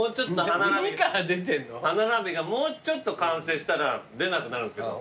歯並びがもうちょっと完成したら出なくなるんですけど。